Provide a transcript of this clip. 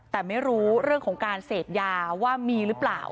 แต่ไม่รู้เรื่องของการเสพยาว่ามีหรือเปล่า